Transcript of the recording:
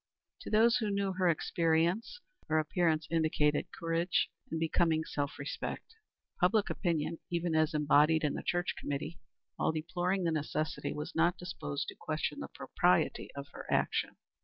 To those who knew her experience, her appearance indicated courage and becoming self respect. Public opinion, even as embodied in the church committee, while deploring the necessity, was not disposed to question the propriety of her action.